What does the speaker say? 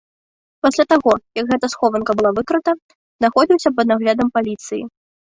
Пасля таго, як гэтая схованка была выкрыта, знаходзіўся пад наглядам паліцыі.